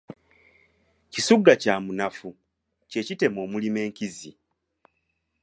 Kisugga kya munafu, kye kitema omulima enkizi.